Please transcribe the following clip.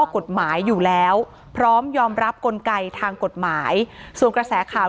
กฎหมายอยู่แล้วพร้อมยอมรับกลไกทางกฎหมายส่วนกระแสข่าว